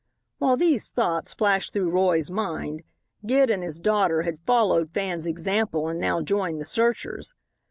While these thoughts flashed through Roy's mind Gid and his daughter had followed Fan's example and now joined the searchers.